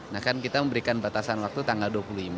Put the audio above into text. nah kan kita memberikan batasan waktu tanggal dua puluh lima